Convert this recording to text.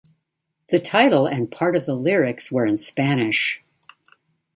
The title and part of the lyrics were in Spanish.